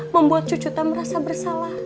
membuat cucu teh merasa bersalah